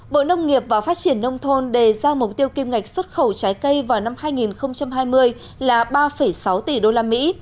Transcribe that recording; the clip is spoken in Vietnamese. bộ nông nghiệp và phát triển nông thôn đề ra mục tiêu kim ngạch xuất khẩu trái cây vào năm hai nghìn hai mươi là ba sáu tỷ usd